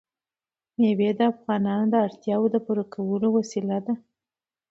مېوې د افغانانو د اړتیاوو د پوره کولو وسیله ده.